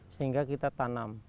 sehingga kita tanam